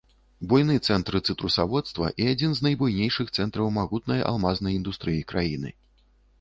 Буйны цэнтр цытрусаводства і адзін з найбуйнейшых цэнтраў магутнай алмазнай індустрыі краіны.